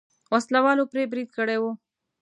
وسله والو پرې برید کړی و.